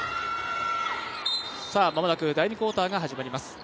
第２クオーターが始まります。